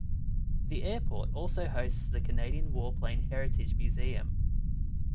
The airport also hosts the Canadian Warplane Heritage Museum.